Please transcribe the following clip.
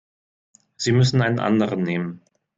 Sie müssen einen anderen nehmen.